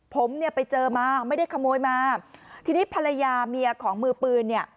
ผมเนี่ยไปเจอมาไม่ได้ขโมยมาทีนี้ภรรยาเมียของมือปืนเนี่ย